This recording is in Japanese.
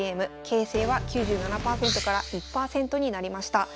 形勢は９７％から１％になりました。